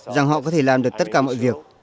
rằng họ có thể làm được tất cả mọi việc